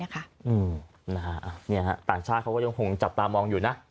ต่างชาติเขาก็ยังคงจับตามองอยู่นะ